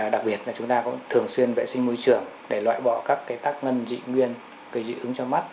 đặc biệt là chúng ta cũng thường xuyên vệ sinh môi trường để loại bỏ các tác ngân dị nguyên dị ứng cho mắt